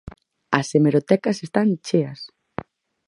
¡As hemerotecas están cheas!